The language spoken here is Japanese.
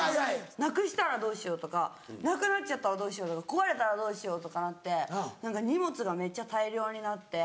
なくしたらどうしようとかなくなっちゃったらどうしようとか壊れたらどうしようとかなって何か荷物がめっちゃ大量になって。